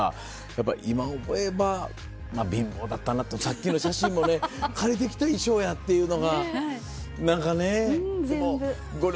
やっぱ今思えば貧乏だったなとさっきの写真もね借りてきた衣装やっていうのが何かねその。